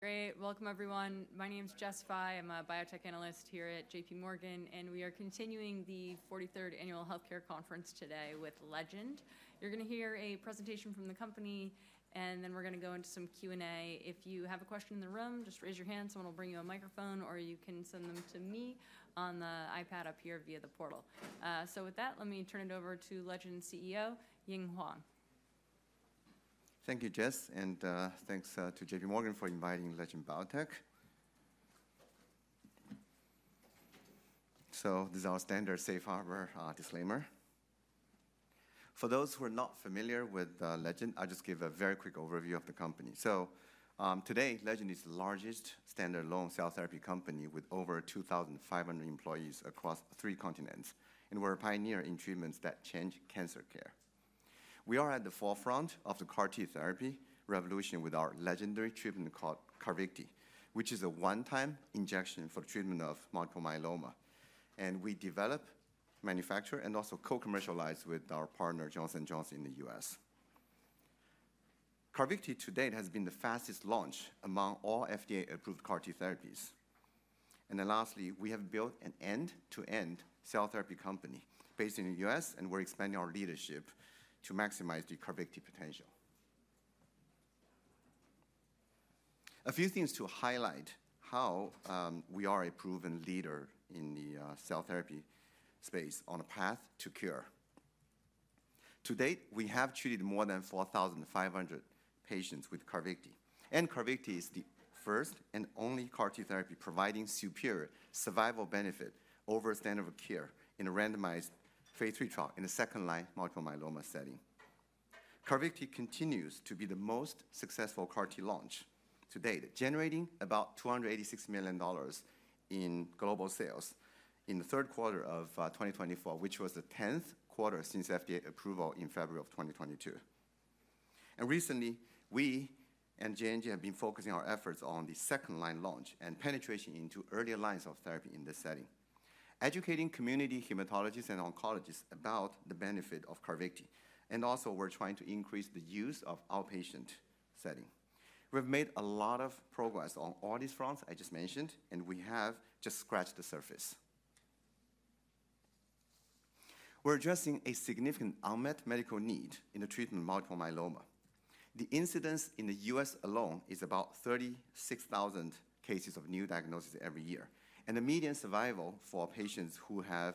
Great. Welcome, everyone. My name's Jessica Fye. I'm a biotech analyst here at J.P. Morgan, and we are continuing the 43rd annual healthcare conference today with Legend. You're going to hear a presentation from the company, and then we're going to go into some Q&A. If you have a question in the room, just raise your hand. Someone will bring you a microphone, or you can send them to me on the iPad up here via the portal. So with that, let me turn it over to Legend's CEO, Ying Huang. Thank you, Jess, and thanks to JPMorgan for inviting Legend Biotech. So this is our standard safe harbor disclaimer. For those who are not familiar with Legend, I'll just give a very quick overview of the company. So today, Legend is the largest standalone cell therapy company with over 2,500 employees across three continents, and we're a pioneer in treatments that change cancer care. We are at the forefront of the CAR-T therapy revolution with our legendary treatment called Carvykti, which is a one-time injection for the treatment of multiple myeloma and we develop, manufacture, and also co-commercialize with our partner, Johnson & Johnson in the U.S. Carvykti to date has been the fastest launch among all FDA-approved CAR-T therapies. Then lastly, we have built an end-to-end cell therapy company based in the U.S., and we're expanding our leadership to maximize the Carvykti potential. A few things to highlight: how we are a proven leader in the cell therapy space on a path to cure. To date, we have treated more than 4,500 patients with Carvykti, and Carvykti is the first and only CAR-T therapy providing superior survival benefit over a standard of care in a randomized Phase III trial in a second-line multiple myeloma setting. Carvykti continues to be the most successful CAR-T launch to date, generating about $286 million in global sales in the third quarter of 2024, which was the 10th quarter since FDA approval in February of 2022 and recently, we and J&J have been focusing our efforts on the second-line launch and penetration into early lines of therapy in this setting, educating community hematologists and oncologists about the benefit of Carvykti. Also, we're trying to increase the use of outpatient setting. We've made a lot of progress on all these fronts I just mentioned, and we have just scratched the surface. We're addressing a significant unmet medical need in the treatment of multiple myeloma. The incidence in the U.S. alone is about 36,000 cases of new diagnoses every year, and the median survival for patients who have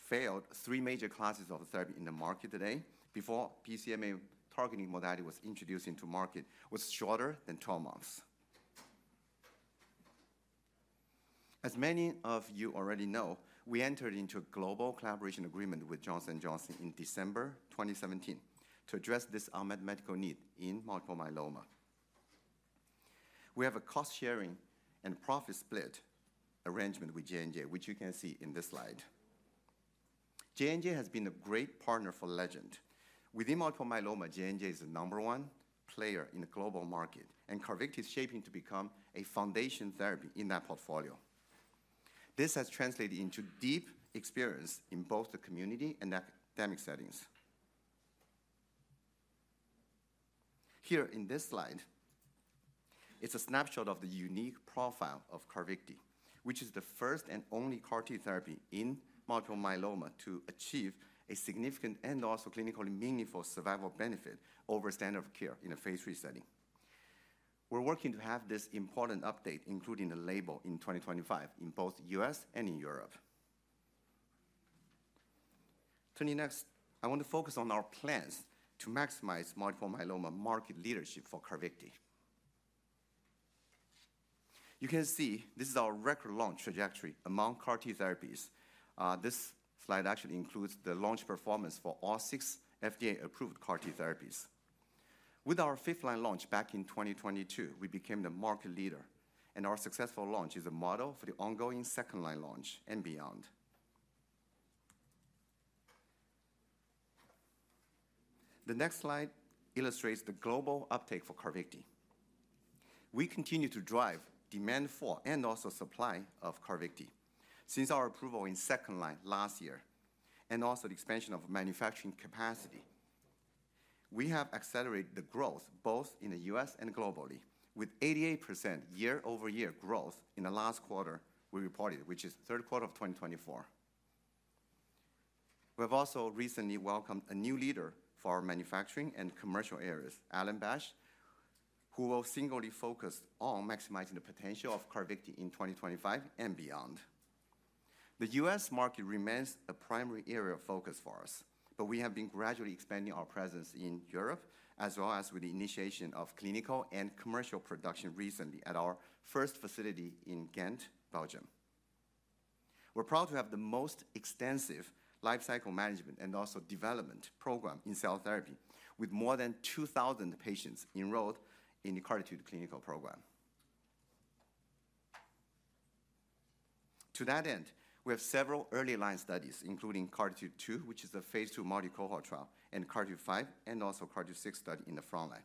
failed three major classes of therapy in the market today before BCMA targeting modality was introduced into market was shorter than 12 months. As many of you already know, we entered into a global collaboration agreement with Johnson & Johnson in December 2017 to address this unmet medical need in multiple myeloma. We have a cost-sharing and profit-split arrangement with J&J, which you can see in this slide. J&J has been a great partner for Legend. Within multiple myeloma, J&J is the number one player in the global market, and Carvykti is shaping to become a foundation therapy in that portfolio. This has translated into deep experience in both the community and academic settings. Here in this slide, it's a snapshot of the unique profile of Carvykti, which is the first and only CAR-T therapy in multiple myeloma to achieve a significant and also clinically meaningful survival benefit over standard of care in a Phase III setting. We're working to have this important update, including the label, in 2025 in both the U.S. and in Europe. Turning next, I want to focus on our plans to maximize multiple myeloma market leadership for Carvykti. You can see this is our record launch trajectory among CAR-T therapies. This slide actually includes the launch performance for all six FDA-approved CAR-T therapies. With our fifth-line launch back in 2022, we became the market leader, and our successful launch is a model for the ongoing second-line launch and beyond. The next slide illustrates the global uptake for Carvykti. We continue to drive demand for and also supply of Carvykti since our approval in second-line last year and also the expansion of manufacturing capacity. We have accelerated the growth both in the U.S. and globally with 88% year-over-year growth in the last quarter we reported, which is the third quarter of 2024. We have also recently welcomed a new leader for our manufacturing and commercial areas, Alan Bash, who will singly focus on maximizing the potential of Carvykti in 2025 and beyond. The U.S. market remains a primary area of focus for us, but we have been gradually expanding our presence in Europe as well as with the initiation of clinical and commercial production recently at our first facility in Ghent, Belgium. We're proud to have the most extensive lifecycle management and also development program in cell therapy with more than 2,000 patients enrolled in the CARTITUDE-2 clinical program. To that end, we have several early line studies, including CARTITUDE-2, which is a Phase II multicohort trial, and CARTITUDE-5 and also CARTITUDE-6 study in the front line.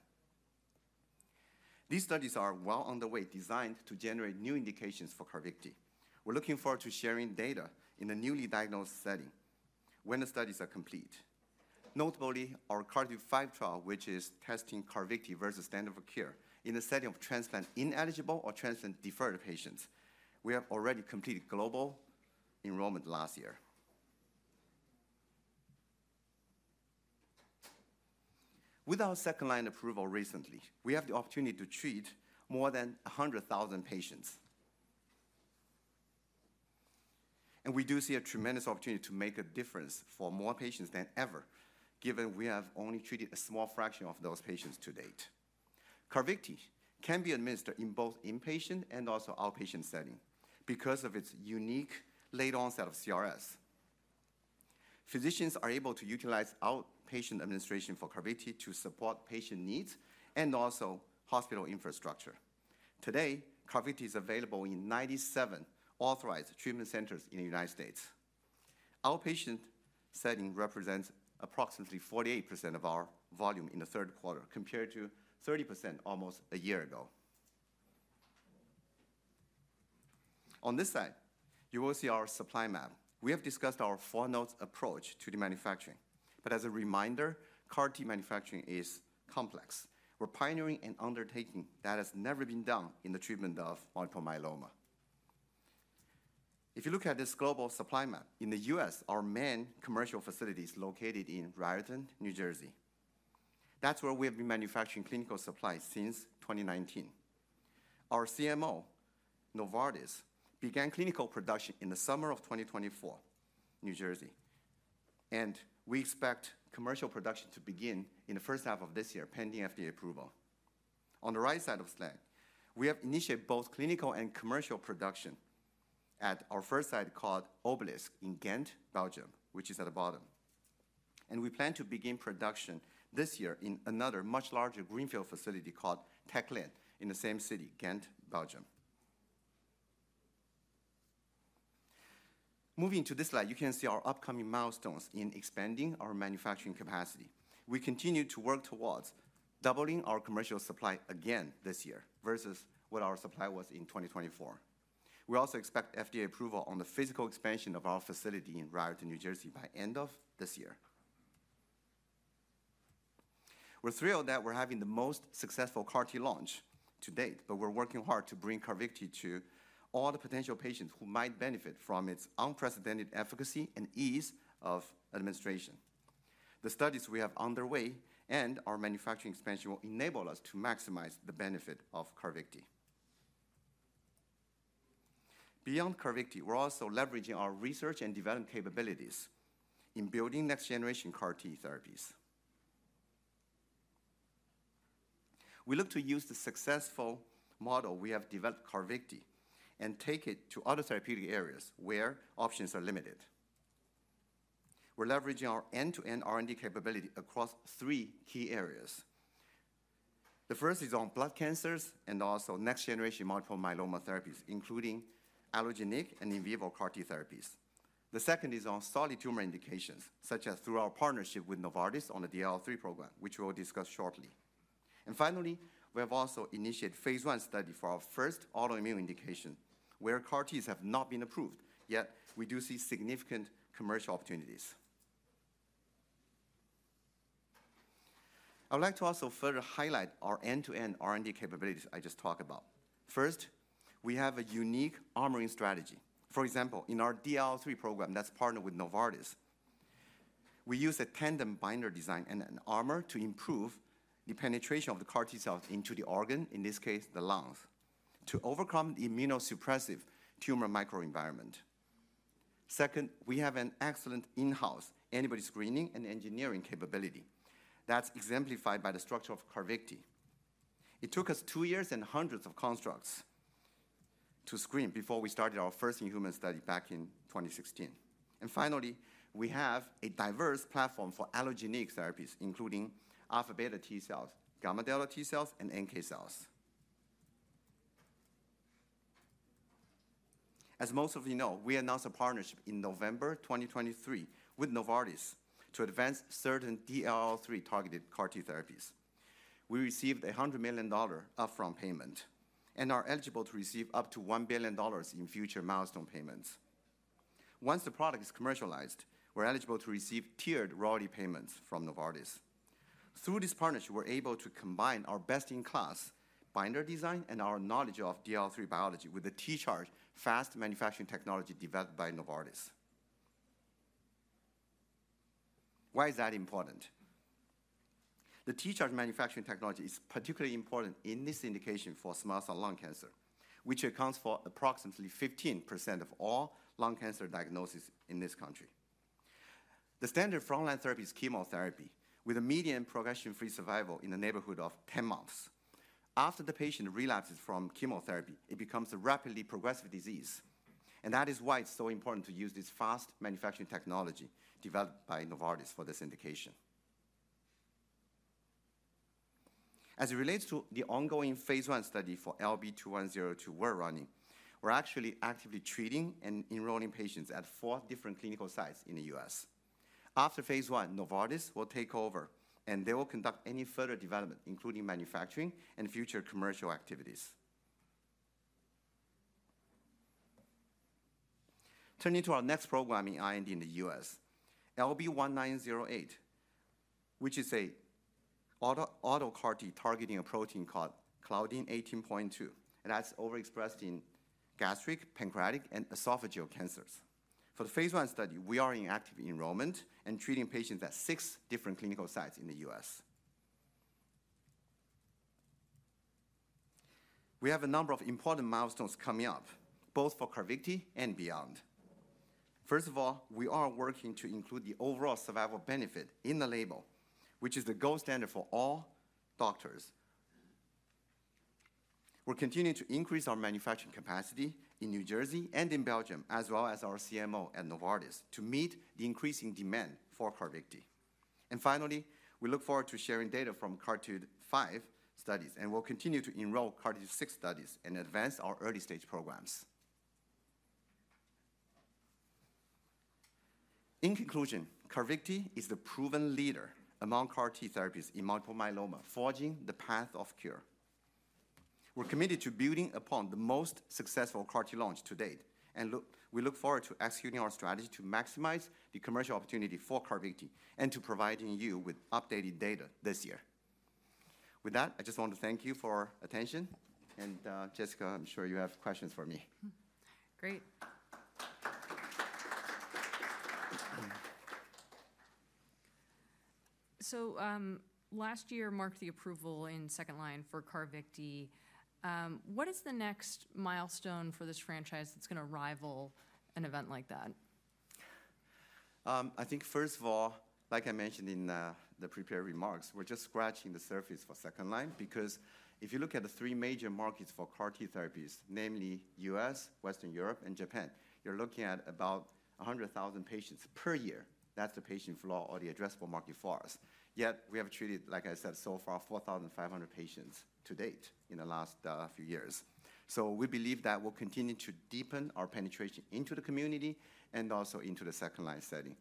These studies are well on the way, designed to generate new indications for Carvykti. We're looking forward to sharing data in the newly diagnosed setting when the studies are complete. Notably, our CARTITUDE-5 trial, which is testing Carvykti versus standard of care in the setting of transplant-ineligible or transplant-deferred patients, we have already completed global enrollment last year. With our second-line approval recently, we have the opportunity to treat more than 100,000 patients, and we do see a tremendous opportunity to make a difference for more patients than ever, given we have only treated a small fraction of those patients to date. Carvykti can be administered in both inpatient and also outpatient settings because of its unique late onset of CRS. Physicians are able to utilize outpatient administration for Carvykti to support patient needs and also hospital infrastructure. Today, Carvykti is available in 97 authorized treatment centers in the United States. Outpatient setting represents approximately 48% of our volume in the third quarter compared to 30% almost a year ago. On this side, you will see our supply map. We have discussed our four-node approach to the manufacturing, but as a reminder, CAR-T manufacturing is complex. We're pioneering an undertaking that has never been done in the treatment of multiple myeloma. If you look at this global supply map, in the U.S., our main commercial facility is located in Raritan, New Jersey. That's where we have been manufacturing clinical supplies since 2019. Our CMO, Novartis, began clinical production in the summer of 2024 in New Jersey, and we expect commercial production to begin in the first half of this year pending FDA approval. On the right side of the slide, we have initiated both clinical and commercial production at our first site called Obelisc in Ghent, Belgium, which is at the bottom, and we plan to begin production this year in another much larger greenfield facility called Tech Lane in the same city, Ghent, Belgium. Moving to this slide, you can see our upcoming milestones in expanding our manufacturing capacity. We continue to work towards doubling our commercial supply again this year versus what our supply was in 2024. We also expect FDA approval on the physical expansion of our facility in Raritan, New Jersey, by the end of this year. We're thrilled that we're having the most successful CAR-T launch to date, but we're working hard to bring Carvykti to all the potential patients who might benefit from its unprecedented efficacy and ease of administration. The studies we have underway and our manufacturing expansion will enable us to maximize the benefit of Carvykti. Beyond Carvykti, we're also leveraging our research and development capabilities in building next-generation CAR-T therapies. We look to use the successful model we have developed, Carvykti, and take it to other therapeutic areas where options are limited. We're leveraging our end-to-end R&D capability across three key areas. The first is on blood cancers and also next-generation multiple myeloma therapies, including allogeneic and in vivo CAR-T therapies. The second is on solid tumor indications, such as through our partnership with Novartis on the DLL3 program, which we'll discuss shortly. Finally, we have also initiated phase I study for our first autoimmune indication where CAR-Ts have not been approved yet. We do see significant commercial opportunities. I would like to also further highlight our end-to-end R&D capabilities I just talked about. First, we have a unique armoring strategy. For example, in our DLL3 program that's partnered with Novartis, we use a tandem binder design and an armor to improve the penetration of the CAR-T cells into the organ, in this case, the lungs, to overcome the immunosuppressive tumor microenvironment. Second, we have an excellent in-house antibody screening and engineering capability that's exemplified by the structure of Carvykti. It took us two years and hundreds of constructs to screen before we started our first in-human study back in 2016. Finally, we have a diverse platform for allogeneic therapies, including alpha beta T cells, gamma delta T cells, and NK cells. As most of you know, we announced a partnership in November 2023 with Novartis to advance certain DLL3-targeted CAR-T therapies. We received a $100 million upfront payment and are eligible to receive up to $1 billion in future milestone payments. Once the product is commercialized, we're eligible to receive tiered royalty payments from Novartis. Through this partnership, we're able to combine our best-in-class binder design and our knowledge of DLL3 biology with the T-Charge fast manufacturing technology developed by Novartis. Why is that important? The T-Charge manufacturing technology is particularly important in this indication for small cell lung cancer, which accounts for approximately 15% of all lung cancer diagnoses in this country. The standard front-line therapy is chemotherapy with a median progression-free survival in the neighborhood of 10 months. After the patient relapses from chemotherapy, it becomes a rapidly progressive disease, and that is why it's so important to use this fast manufacturing technology developed by Novartis for this indication. As it relates to the ongoing Phase I study for LB2102 we're running, we're actually actively treating and enrolling patients at four different clinical sites in the U.S. After Phase I, Novartis will take over, and they will conduct any further development, including manufacturing and future commercial activities. Turning to our next program in IND in the U.S., LB1908, which is an auto CAR-T targeting a protein called Claudin 18.2, and that's overexpressed in gastric, pancreatic, and esophageal cancers. For the Phase I study, we are in active enrollment and treating patients at six different clinical sites in the U.S.. We have a number of important milestones coming up both for Carvykti and beyond. First of all, we are working to include the overall survival benefit in the label, which is the gold standard for all doctors. We're continuing to increase our manufacturing capacity in New Jersey and in Belgium, as well as our CMO at Novartis, to meet the increasing demand for Carvykti. Finally, we look forward to sharing data from CARTITUDE-5 studies, and we'll continue to enroll CARTITUDE-6 studies and advance our early-stage programs. In conclusion, Carvykti is the proven leader among CAR-T therapies in multiple myeloma, forging the path of cure. We're committed to building upon the most successful CAR-T launch to date, and we look forward to executing our strategy to maximize the commercial opportunity for Carvykti and to providing you with updated data this year. With that, I just want to thank you for your attention, and Jessica, I'm sure you have questions for me. Great. So last year marked the approval in second-line for Carvykti. What is the next milestone for this franchise that's going to rival an event like that? I think, first of all, like I mentioned in the prepared remarks, we're just scratching the surface for second-line because if you look at the three major markets for CAR-T therapies, namely the U.S., Western Europe, and Japan, you're looking at about 100,000 patients per year. That's the patient floor or the addressable market for us. Yet we have treated, like I said, so far 4,500 patients to date in the last few years. So we believe that we'll continue to deepen our penetration into the community and also into the second-line setting,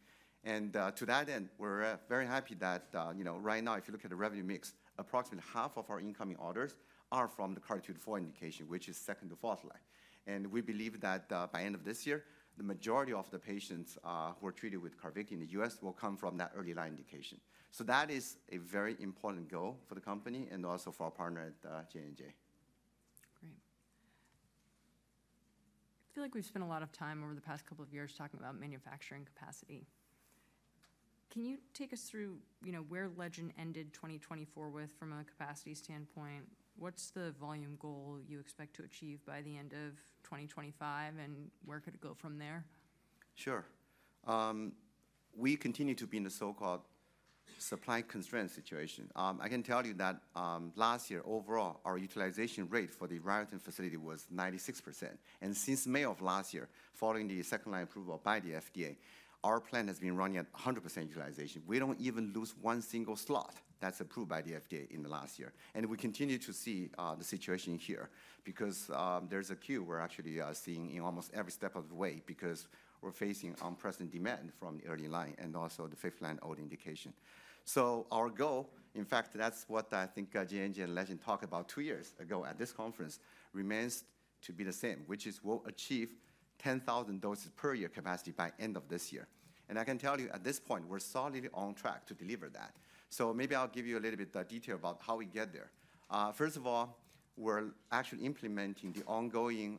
and to that end, we're very happy that right now, if you look at the revenue mix, approximately half of our incoming orders are from the CAR-T4 indication, which is second to fourth line. We believe that by the end of this year, the majority of the patients who are treated with Carvykti in the U.S. will come from that early line indication. So that is a very important goal for the company and also for our partner at J&J. Great. I feel like we've spent a lot of time over the past couple of years talking about manufacturing capacity. Can you take us through where Legend ended 2024 with from a capacity standpoint? What's the volume goal you expect to achieve by the end of 2025, and where could it go from there? Sure. We continue to be in the so-called supply constraint situation. I can tell you that last year, overall, our utilization rate for the Raritan facility was 96%, and since May of last year, following the second-line approval by the FDA, our plant has been running at 100% utilization. We don't even lose one single slot that's approved by the FDA in the last year. We continue to see the situation here because there's a queue we're actually seeing in almost every step of the way because we're facing unprecedented demand from the early line and also the fifth-line old indication. So our goal, in fact, that's what I think J&J and Legend talked about two years ago at this conference, remains to be the same, which is we'll achieve 10,000 doses per year capacity by the end of this year. I can tell you at this point, we're solidly on track to deliver that. Maybe I'll give you a little bit of detail about how we get there. First of all, we're actually implementing the ongoing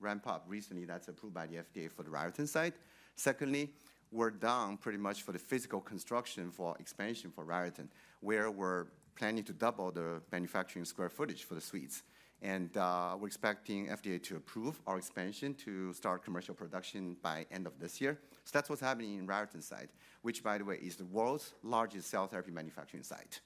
ramp-up recently that's approved by the FDA for the Raritan site. Secondly, we've broken ground pretty much for the physical construction for expansion for Raritan, where we're planning to double the manufacturing square footage for the suites. We're expecting the FDA to approve our expansion to start commercial production by the end of this year. That's what's happening in the Raritan site, which, by the way, is the world's largest cell therapy manufacturing site.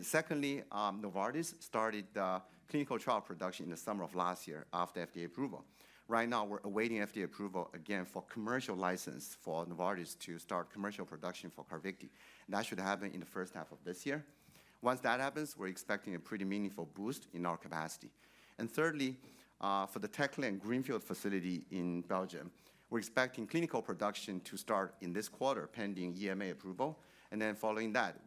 Secondly, Novartis started the clinical trial production in the summer of last year after the FDA approval. Right now, we're awaiting FDA approval again for commercial license for Novartis to start commercial production for Carvykti. That should happen in the first half of this year. Once that happens, we're expecting a pretty meaningful boost in our capacity. Thirdly, for the Tech Lane Greenfield facility in Belgium, we're expecting clinical production to start in this quarter pending EMA approval. Then following that,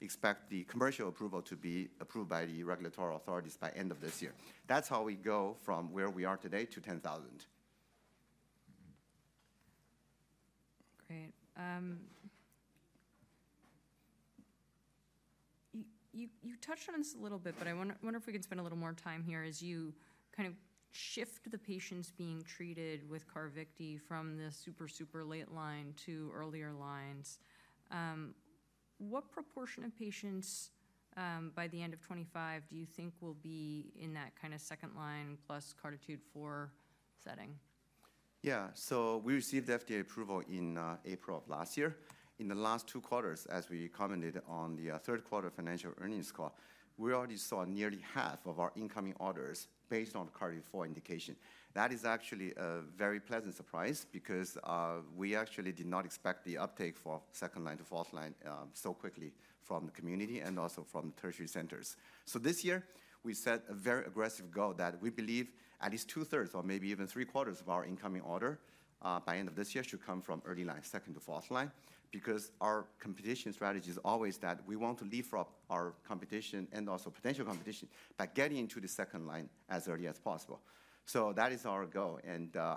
we expect the commercial approval to be approved by the regulatory authorities by the end of this year. That's how we go from where we are today to 10,000. Great. You touched on this a little bit, but I wonder if we can spend a little more time here as you kind of shift the patients being treated with Carvykti from the super, super late line to earlier lines. What proportion of patients by the end of 2025 do you think will be in that kind of second-line plus CAR-T4 setting? Yeah. So we received FDA approval in April of last year. In the last two quarters, as we commented on the third quarter financial earnings call, we already saw nearly half of our incoming orders based on the fourth-line indication. That is actually a very pleasant surprise because we actually did not expect the uptake for second-line to fourth-line so quickly from the community and also from the tertiary centers. So this year, we set a very aggressive goal that we believe at least two-thirds or maybe even three-quarters of our incoming order by the end of this year should come from early line, second to fourth line, because our competition strategy is always that we want to leapfrog our competition and also potential competition by getting into the second line as early as possible. So that is our goal.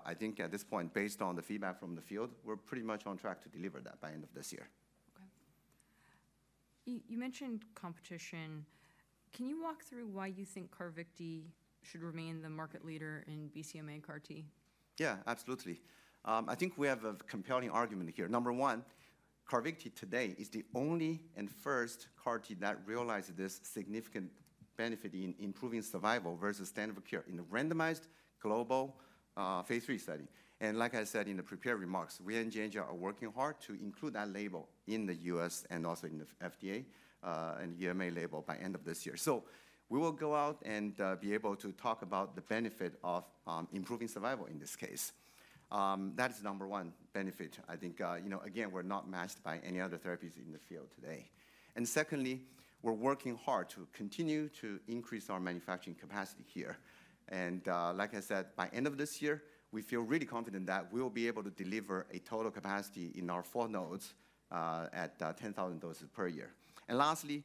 I think at this point, based on the feedback from the field, we're pretty much on track to deliver that by the end of this year. Okay. You mentioned competition. Can you walk through why you think Carvykti should remain the market leader in BCMA CAR-T? Yeah, absolutely. I think we have a compelling argument here. Number one, Carvykti today is the only and first CAR-T that realized this significant benefit in improving survival versus standard of care in a randomized global Phase III study. Like I said in the prepared remarks, we at J&J are working hard to include that label in the U.S. and also in the FDA and EMA label by the end of this year. So we will go out and be able to talk about the benefit of improving survival in this case. That is the number one benefit. I think, again, we're not matched by any other therapies in the field today. Secondly, we're working hard to continue to increase our manufacturing capacity here. Like I said, by the end of this year, we feel really confident that we'll be able to deliver a total capacity in our four nodes at 10,000 doses per year. Lastly,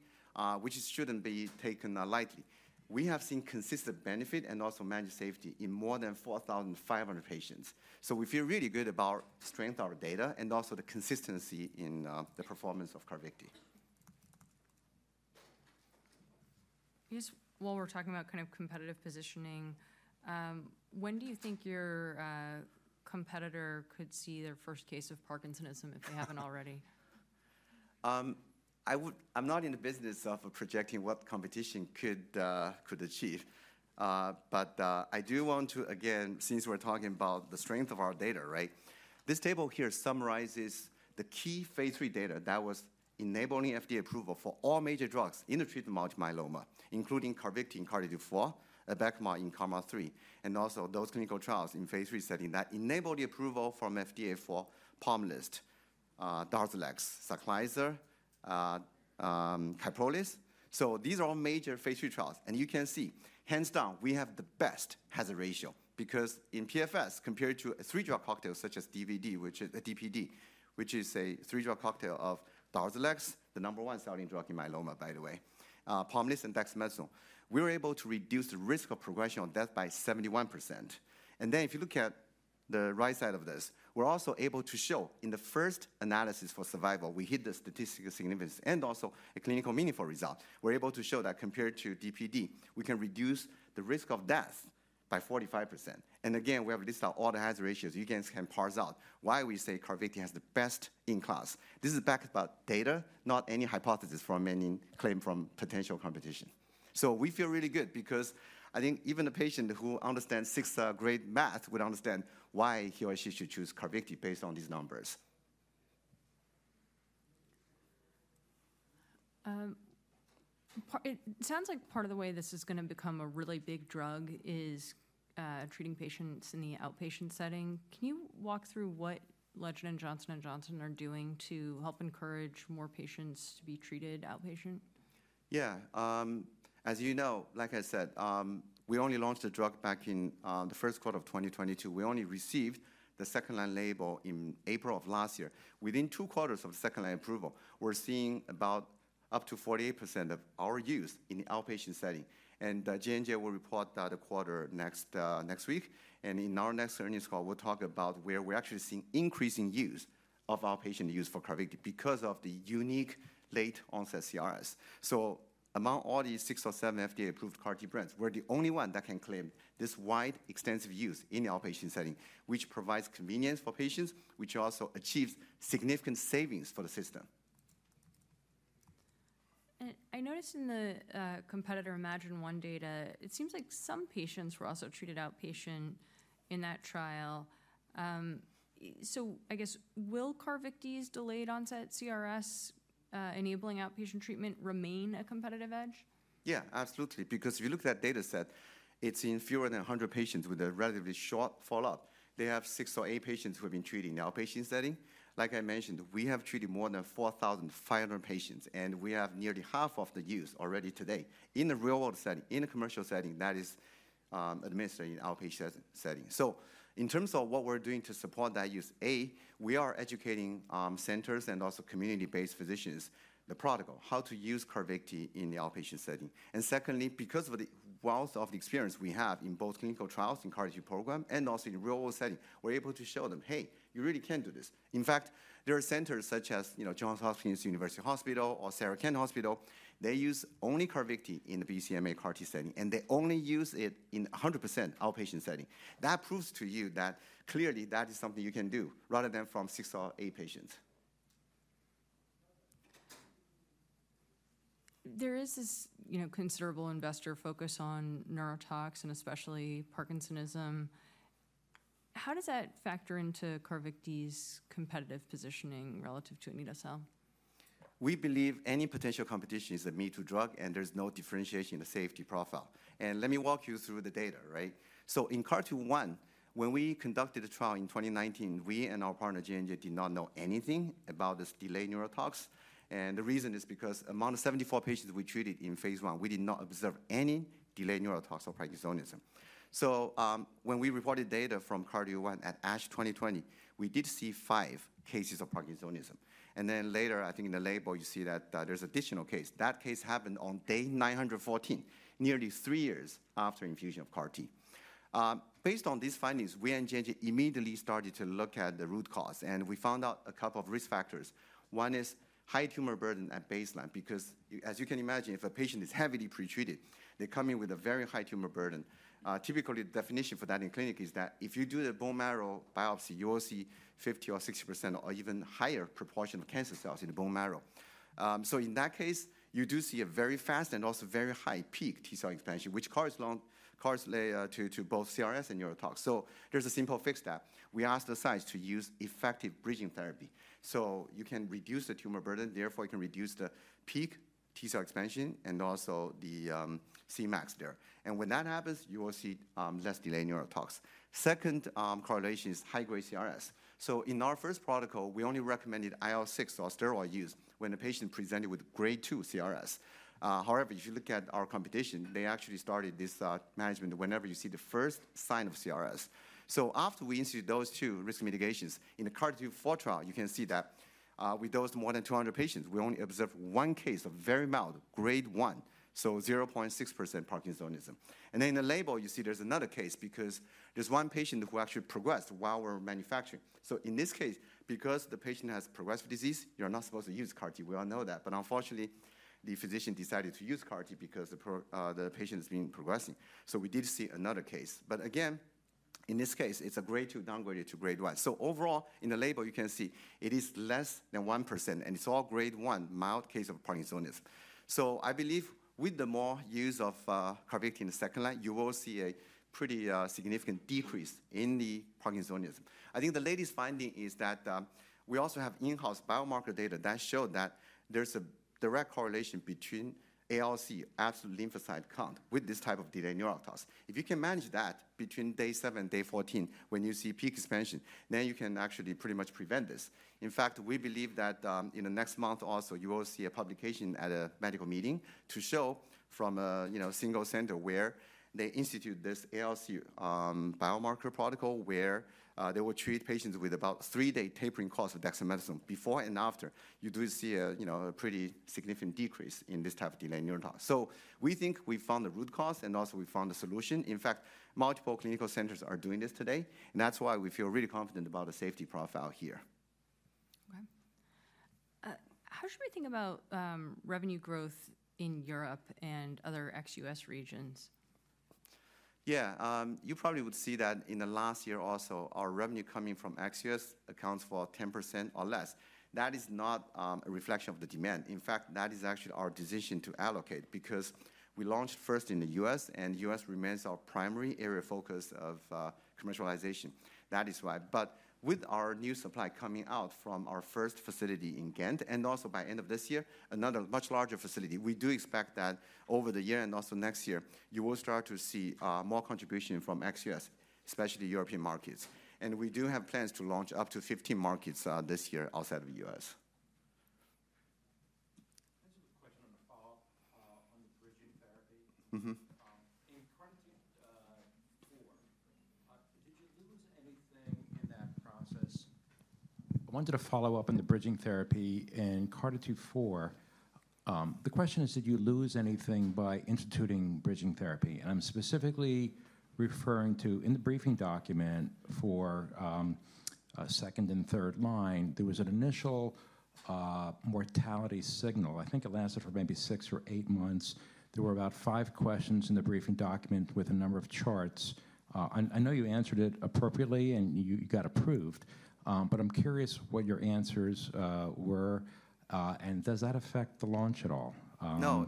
which shouldn't be taken lightly, we have seen consistent benefit and also managed safety in more than 4,500 patients. We feel really good about the strength of our data and also the consistency in the performance of Carvykti. I guess while we're talking about kind of competitive positioning, when do you think your competitor could see their first case of Parkinsonism if they haven't already? I'm not in the business of projecting what competition could achieve, but I do want to, again, since we're talking about the strength of our data, right? This table here summarizes the key Phase III data that was enabling FDA approval for all major drugs in the treatment of multiple myeloma, including Carvykti in CARTITUDE-4, Abecma in KarMMa-3, and also those clinical trials in Phase III setting that enabled the approval from FDA for Pomalyst, Darzalex, Velcade, Kyprolis. So these are all major Phase III trials, and you can see, hands down, we have the best hazard ratio because in PFS, compared to a three-drug cocktail such as DPD, which is a DPD, which is a three-drug cocktail of Darzalex, the number one selling drug in myeloma, by the way, Pomalyst and Dexamethasone, we were able to reduce the risk of progression of death by 71%. Then if you look at the right side of this, we're also able to show in the first analysis for survival, we hit the statistical significance and also a clinically meaningful result. We're able to show that compared to DPD, we can reduce the risk of death by 45%. Again, we have listed all the hazard ratios. You guys can parse out why we say Carvykti has the best in class. This is backed by data, not any hypothesis from any claim from potential competition. We feel really good because I think even a patient who understands sixth-grade math would understand why he or she should choose Carvykti based on these numbers. It sounds like part of the way this is going to become a really big drug is treating patients in the outpatient setting. Can you walk through what Legend and Johnson & Johnson are doing to help encourage more patients to be treated outpatient? Yeah. As you know, like I said, we only launched the drug back in the first quarter of 2022. We only received the second-line label in April of last year. Within two quarters of the second-line approval, we're seeing about up to 48% of our use in the outpatient setting and J&J will report that quarter next week. In our next earnings call, we'll talk about where we're actually seeing increasing use of our patient use for Carvykti because of the unique late-onset CRS. So among all these six or seven FDA-approved CAR-T brands, we're the only one that can claim this wide, extensive use in the outpatient setting, which provides convenience for patients, which also achieves significant savings for the system. I noticed in the competitor iMMagine-1 data, it seems like some patients were also treated outpatient in that trial. I guess, will Carvykti's delayed-onset CRS enabling outpatient treatment remain a competitive edge? Yeah, absolutely, because if you look at that data set, it's in fewer than 100 patients with a relatively short follow-up. They have six or eight patients who have been treated in the outpatient setting. Like I mentioned, we have treated more than 4,500 patients, and we have nearly half of the use already today in the real-world setting, in the commercial setting that is administered in the outpatient setting. So in terms of what we're doing to support that use, A, we are educating centers and also community-based physicians the protocol, how to use Carvykti in the outpatient setting. Secondly, because of the wealth of experience we have in both clinical trials in CAR-T program and also in the real-world setting, we're able to show them, "Hey, you really can do this." In fact, there are centers such as Johns Hopkins University Hospital or Sarah Cannon Hospital. They use only Carvykti in the BCMA CAR-T setting, and they only use it in 100% outpatient setting. That proves to you that clearly that is something you can do rather than from six or eight patients. There is this considerable investor focus on neurotox and especially Parkinsonism. How does that factor into Carvykti's competitive positioning relative to Abecma? We believe any potential competition is a me-too drug, and there's no differentiation in the safety profile, and let me walk you through the data, right? So in CARTITUDE-1, when we conducted the trial in 2019, we and our partner J&J did not know anything about this delayed neurotoxicity and the reason is because among the 74 patients we treated in Phase I, we did not observe any delayed neurotoxicity or Parkinsonism. So when we reported data from CARTITUDE-1 at ASH 2020, we did see five cases of Parkinsonism, and then later, I think in the label, you see that there's an additional case. That case happened on day 914, nearly three years after infusion of CAR-T. Based on these findings, we at J&J immediately started to look at the root cause, and we found out a couple of risk factors. One is high tumor burden at baseline because, as you can imagine, if a patient is heavily pretreated, they come in with a very high tumor burden. Typically, the definition for that in clinic is that if you do the bone marrow biopsy, you will see 50% or 60% or even higher proportion of cancer cells in the bone marrow. So in that case, you do see a very fast and also very high peak T-cell expansion, which corresponds to both CRS and neurotox. So there's a simple fix that we asked the sites to use effective bridging therapy. So you can reduce the tumor burden. Therefore, you can reduce the peak T-cell expansion and also the Cmax there. When that happens, you will see less delayed neurotox. Second correlation is high-grade CRS. So in our first protocol, we only recommended IL-6 or steroid use when the patient presented with grade two CRS. However, if you look at our competition, they actually started this management whenever you see the first sign of CRS. So after we instituted those two risk mitigations, in the CARTITUDE-4 trial, you can see that with those more than 200 patients, we only observed one case of very mild grade one, so 0.6% Parkinsonism. Then in the label, you see there's another case because there's one patient who actually progressed while we're manufacturing. So in this case, because the patient has progressive disease, you're not supposed to use CAR-T. We all know that. But unfortunately, the physician decided to use CAR-T because the patient is being progressing. So we did see another case. But again, in this case, it's a grade one downgraded to grade two. So overall, in the label, you can see it is less than 1%, and it's all grade one mild cases of Parkinsonism. So I believe with the more use of Carvykti in the second line, you will see a pretty significant decrease in the Parkinsonism. I think the latest finding is that we also have in-house biomarker data that show that there's a direct correlation between ALC, absolute lymphocyte count, with this type of delayed neurotoxicity. If you can manage that between day seven and day 14, when you see peak expansion, then you can actually pretty much prevent this. In fact, we believe that in the next month or so, you will see a publication at a medical meeting to show from a single center where they instituted this ALC biomarker protocol where they will treat patients with about three-day tapering course of Dexamethasone. Before and after, you do see a pretty significant decrease in this type of delayed neurotoxicity. So we think we found the root cause, and also we found the solution. In fact, multiple clinical centers are doing this today and that's why we feel really confident about the safety profile here. Okay. How should we think about revenue growth in Europe and other ex-U.S. regions? Yeah. You probably would see that in the last year also, our revenue coming from ex-U.S. accounts for 10% or less. That is not a reflection of the demand. In fact, that is actually our decision to allocate because we launched first in the U.S., and the U.S. remains our primary area of focus of commercialization. That is why. But with our new supply coming out from our first facility in Ghent and also by the end of this year, another much larger facility, we do expect that over the year and also next year, you will start to see more contribution from ex-U.S., especially European markets, and we do have plans to launch up to 15 markets this year outside of the U.S. I just have a question on the follow-up on the bridging therapy. In CARTITUDE-4, did you lose anything in that process? I wanted to follow up on the bridging therapy. In CARTITUDE-4, the question is, did you lose anything by instituting bridging therapy? I'm specifically referring to in the briefing document for second- and third-line, there was an initial mortality signal. I think it lasted for maybe six or eight months. There were about five questions in the briefing document with a number of charts. I know you answered it appropriately, and you got approved, but I'm curious what your answers were, and does that affect the launch at all? No,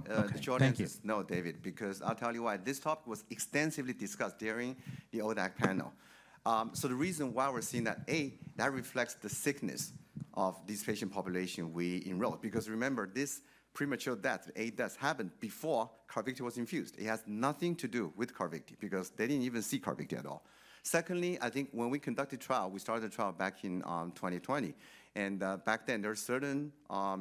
David, because I'll tell you why. This topic was extensively discussed during the ODAC panel. So the reason why we're seeing that, A, that reflects the sickness of this patient population we enrolled, because remember, this premature death, A, does happen before Carvykti was infused. It has nothing to do with Carvykti because they didn't even see Carvykti at all. Secondly, I think when we conducted trial, we started the trial back in 2020 and back then, there were certain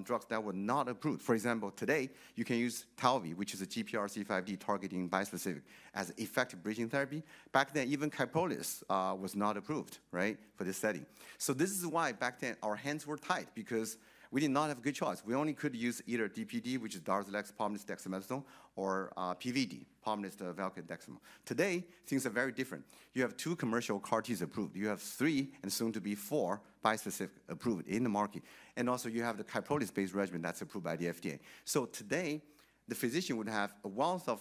drugs that were not approved. For example, today, you can use Talvy, which is a GPRC5D targeting bispecific as an effective bridging therapy. Back then, even Kyprolis was not approved, right, for this setting. So this is why back then our hands were tight because we did not have a good choice. We only could use either DPD, which is Darzalex, Pomalyst, Dexamethasone, or PVD, Pomalyst, Velcade, Dexamethasone. Today, things are very different. You have two commercial CAR-Ts approved. You have three and soon to be four bispecific approved in the market and also, you have the Kyprolis-based regimen that's approved by the FDA. So today, the physician would have a wealth of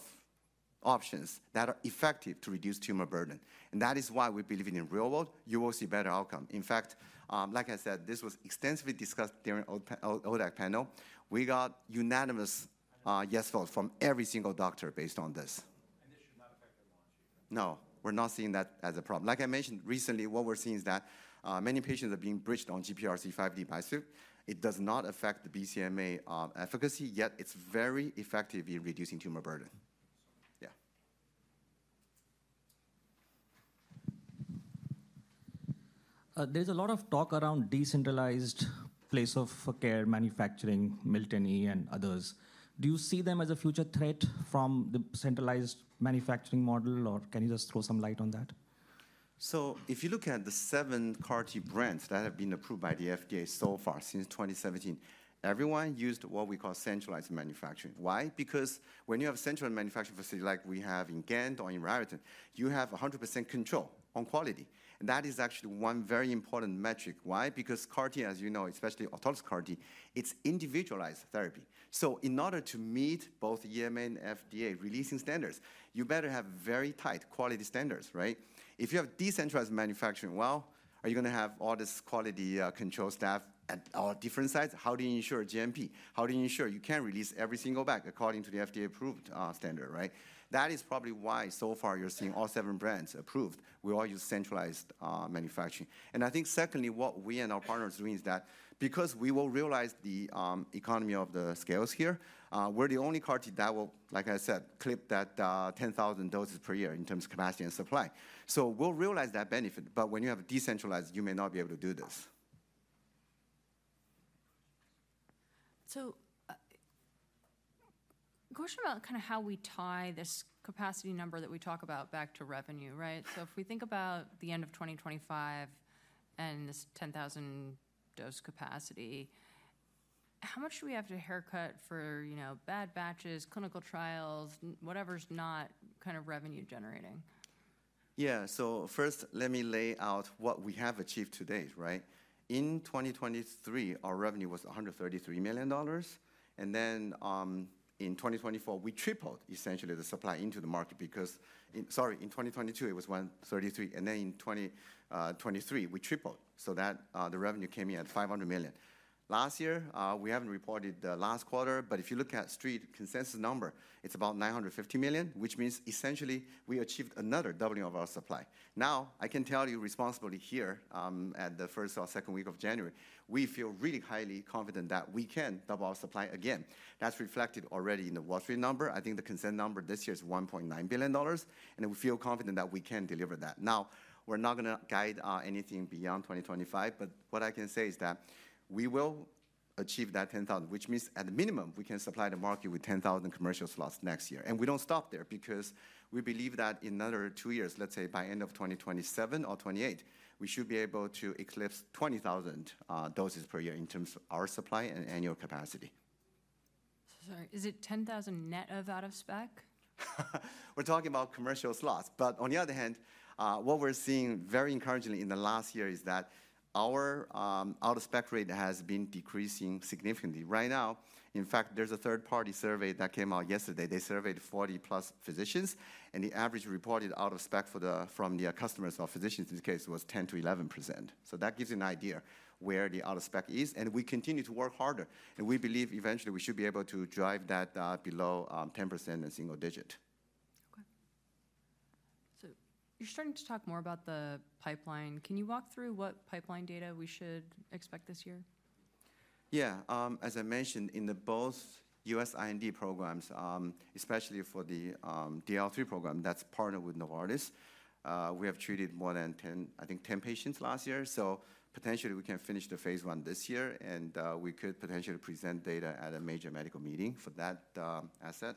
options that are effective to reduce tumor burden. That is why we believe in the real world, you will see better outcomes. In fact, like I said, this was extensively discussed during the ODAC panel. We got unanimous yes votes from every single doctor based on this. No. We're not seeing that as a problem. Like I mentioned recently, what we're seeing is that many patients are being bridged on GPRC5D bispecific. It does not affect the BCMA efficacy, yet it's very effective in reducing tumor burden. Yeah. There's a lot of talk around decentralized point of care manufacturing, Miltenyi and others. Do you see them as a future threat from the centralized manufacturing model, or can you just throw some light on that? So if you look at the seven CAR-T brands that have been approved by the FDA so far since 2017, everyone used what we call centralized manufacturing. Why? Because when you have a centralized manufacturing facility like we have in Ghent or in Raritan, you have 100% control on quality and that is actually one very important metric. Why? Because CAR-T, as you know, especially autologous CAR-T, it's individualized therapy. So in order to meet both EMA and FDA releasing standards, you better have very tight quality standards, right? If you have decentralized manufacturing, well, are you going to have all this quality control staff at all different sites? How do you ensure GMP? How do you ensure you can't release every single bag according to the FDA-approved standard, right? That is probably why so far you're seeing all seven brands approved. We all use centralized manufacturing. I think secondly, what we and our partners are doing is that because we will realize the economies of scale here, we're the only CAR-T that will, like I said, clip that 10,000 doses per year in terms of capacity and supply. So we'll realize that benefit but when you have decentralized, you may not be able to do this. So question about kind of how we tie this capacity number that we talk about back to revenue, right? So if we think about the end of 2025 and this 10,000-dose capacity, how much do we have to haircut for bad batches, clinical trials, whatever's not kind of revenue-generating? Yeah, so first, let me lay out what we have achieved to date, right? In 2023, our revenue was $133 million, and then in 2024, we tripled essentially the supply into the market because, sorry, in 2022, it was $133, and then in 2023, we tripled so that the revenue came in at $500 million. Last year, we haven't reported the last quarter, but if you look at Street consensus number, it's about $950 million, which means essentially we achieved another doubling of our supply. Now, I can tell you responsibly here at the first or second week of January, we feel really highly confident that we can double our supply again. That's reflected already in the Wall Street number. I think the consensus number this year is $1.9 billion, and we feel confident that we can deliver that. Now, we're not going to guide anything beyond 2025. But what I can say is that we will achieve that 10,000, which means at a minimum, we can supply the market with 10,000 commercial slots next year and we don't stop there because we believe that in another two years, let's say by the end of 2027 or 2028, we should be able to eclipse 20,000 doses per year in terms of our supply and annual capacity. Sorry. Is it 10,000 net of out-of-spec? We're talking about commercial slots, but on the other hand, what we're seeing very encouragingly in the last year is that our out-of-spec rate has been decreasing significantly. Right now, in fact, there's a third-party survey that came out yesterday. They surveyed 40+ physicians, and the average reported out-of-spec from the customers or physicians in this case was 10%-11%. So that gives you an idea where the out-of-spec is, and we continue to work harder, and we believe eventually we should be able to drive that below 10% and single digit. Okay, so you're starting to talk more about the pipeline. Can you walk through what pipeline data we should expect this year? Yeah. As I mentioned, in both U.S. IND programs, especially for the DLL3 program that's partnered with Novartis, we have treated more than, I think, 10 patients last year. So potentially, we can finish the Phase I this year. We could potentially present data at a major medical meeting for that asset.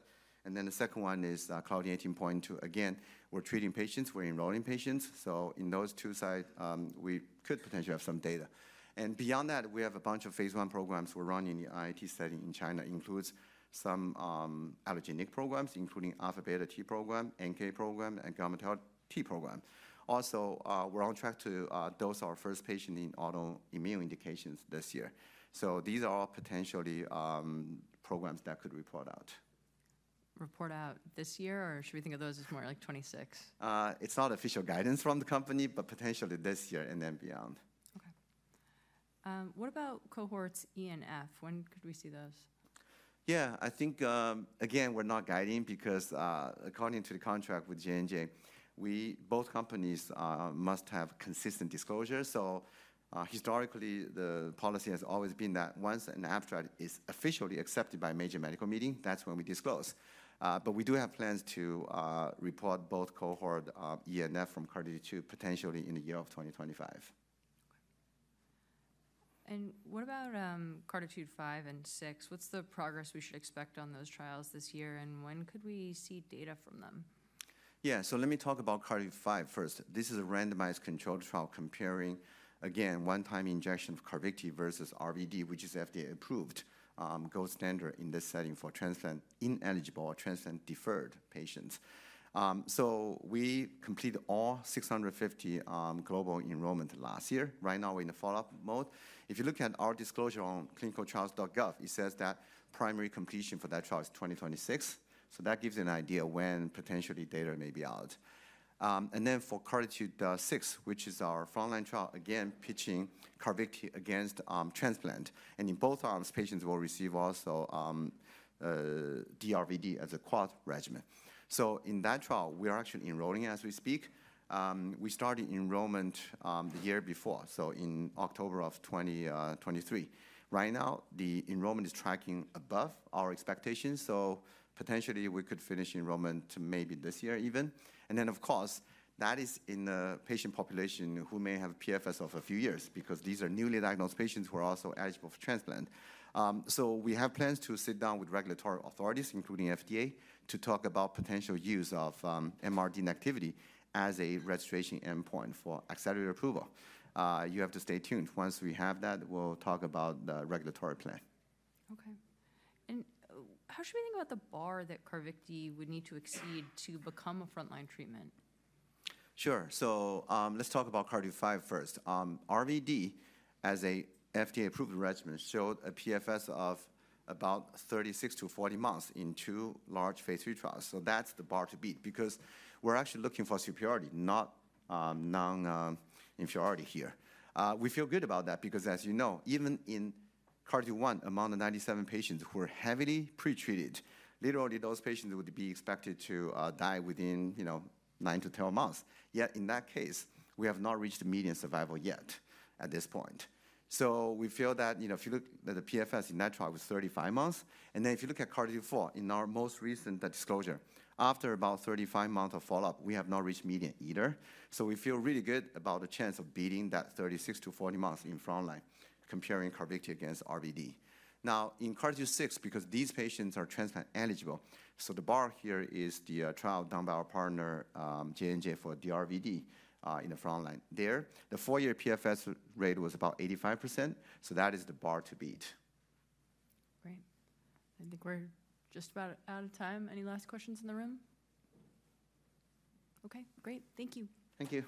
Then the second one is Claudin 18.2. Again, we're treating patients. We're enrolling patients. So in those two sites, we could potentially have some data. Beyond that, we have a bunch of Phase I programs we're running in the IT setting in China. It includes some allogeneic programs, including Alpha Beta T program, NK program, and Gamma T program. Also, we're on track to dose our first patient in autoimmune indications this year. So these are all potentially programs that could report out. Report out this year, or should we think of those as more like 2026? It's not official guidance from the company, but potentially this year and then beyond. Okay. What about cohorts E and F? When could we see those? Yeah. I think, again, we're not guiding because according to the contract with J&J, both companies must have consistent disclosure. So historically, the policy has always been that once an abstract is officially accepted by a major medical meeting, that's when we disclose. But we do have plans to report both cohort E and F from CAR-T2 potentially in the year of 2025. Okay. What about CARTITUDE-5 and CARTITUDE-6? What's the progress we should expect on those trials this year and when could we see data from them? Yeah. So let me talk about CARTITUDE-5 first. This is a randomized controlled trial comparing, again, one-time injection of Carvykti versus RVd, which is FDA-approved, gold standard in this setting for transplant-ineligible or transplant-deferred patients. So we completed all 650 global enrollments last year. Right now, we're in the follow-up mode. If you look at our disclosure on clinicaltrials.gov, it says that primary completion for that trial is 2026. So that gives you an idea when potentially data may be out. Then for CARTITUDE-6, which is our frontline trial, again, pitching Carvykti against transplant and in both arms, patients will receive also DRVd as a quad regimen. So in that trial, we are actually enrolling as we speak. We started enrollment the year before, so in October of 2023. Right now, the enrollment is tracking above our expectations. So potentially, we could finish enrollment maybe this year even. Then, of course, that is in the patient population who may have PFS of a few years because these are newly diagnosed patients who are also eligible for transplant. So we have plans to sit down with regulatory authorities, including FDA, to talk about potential use of MRD inactivity as a registration endpoint for accelerated approval. You have to stay tuned. Once we have that, we'll talk about the regulatory plan. Okay. How should we think about the bar that Carvykti would need to exceed to become a frontline treatment? Sure. So let's talk about CARTITUDE-5 first. RVd, as an FDA-approved regimen, showed a PFS of about 36-40 months in two large Phase III trials. So that's the bar to beat because we're actually looking for superiority, not non-inferiority here. We feel good about that because, as you know, even in CARTITUDE-1, among the 97 patients who are heavily pretreated, literally those patients would be expected to die within 9-12 months. Yet in that case, we have not reached median survival yet at this point. So we feel that if you look at the PFS in that trial was 35 months. Then if you look at CARTITUDE-4 in our most recent disclosure, after about 35 months of follow-up, we have not reached median either. So we feel really good about the chance of beating that 36-40 months in frontline comparing Carvykti against RVd. Now, in CAR-T6, because these patients are transplant-eligible, so the bar here is the trial done by our partner, J&J, for DRVd in the frontline there. The four-year PFS rate was about 85%. So that is the bar to beat. Great. I think we're just about out of time. Any last questions in the room? Okay. Great. Thank you. Thank you.